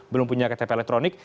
belum punya ktp elektronik